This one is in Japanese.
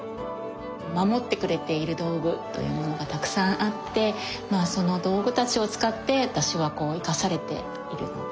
守ってくれている道具というものがたくさんあってその道具たちを使って私は生かされているので。